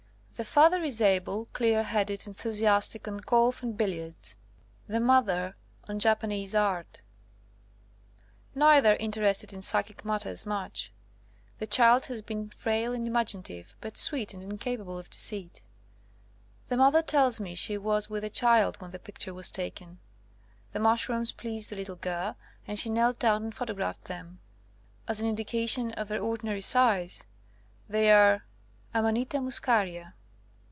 The father is able, clear headed, enthusiastic on golf and billiards ; the mother on Japanese art; neither interested in psychic matters much. The child has been frail and imagi native, but sweet and incapable of deceit. *'The mother tells me she was with the child when the picture was taken. The mush rooms pleased the little girl, and she knelt down and photographed them. As an in dication of their ordinary size, they are Amainta muscaria.